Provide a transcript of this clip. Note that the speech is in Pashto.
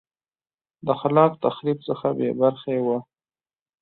د خلاق تخریب څخه بې برخې وه